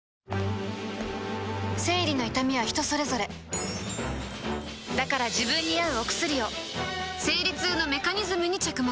生理の痛みは人それぞれだから自分に合うお薬を生理痛のメカニズムに着目